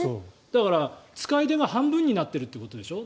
だから、使い出が半分になっているってことでしょ。